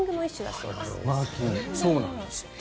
そうなんですって。